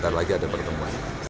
ntar lagi ada pertemuan